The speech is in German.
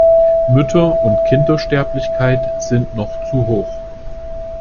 Mütter- und Kindersterblichkeit sind noch zu hoch.